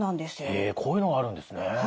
へえこういうのがあるんですね。